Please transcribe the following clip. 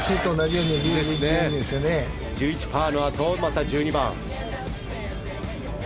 １１パーのあと、また１２番。